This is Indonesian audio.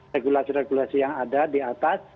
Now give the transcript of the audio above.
regulasi regulasi yang ada di atas